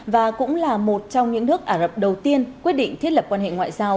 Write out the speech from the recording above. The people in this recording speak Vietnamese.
và cũng là một trong những nước ả rập đầu tiên quyết định thiết lập quan hệ ngoại giao